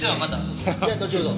じゃあのちほど。